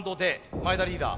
前田リーダー。